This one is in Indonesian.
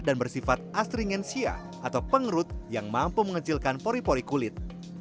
dan bersifat astringensia atau pengerut yang mampu mengecilkan pori pori kulit